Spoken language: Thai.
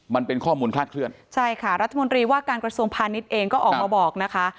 มันเป็นข้อมูลคลาดเคลื่อนใช่ค่ะรัฐมนตรีว่าการกระทรวงพาณิชย์เองก็ออกมาบอกนะคะ